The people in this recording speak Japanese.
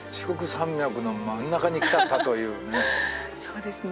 そうですね。